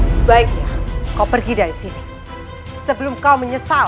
sebaiknya kau pergi dari sini sebelum kau menyesal